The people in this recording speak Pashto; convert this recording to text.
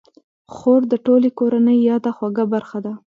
خور د ټولې کورنۍ یاده خوږه برخه ده.